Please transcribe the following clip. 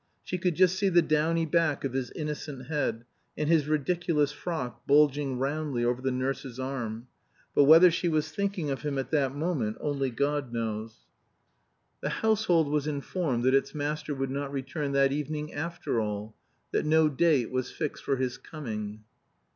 She could just see the downy back of his innocent head, and his ridiculous frock bulging roundly over the nurse's arm. But whether she was thinking of him at that moment God only knows. The household was informed that its master would not return that evening after all; that no date was fixed for his coming.